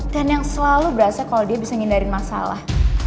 dan yang selalu berasa kalo dia bisa ngindarin masalah